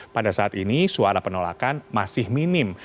pada saat ini suara penolakan masih minim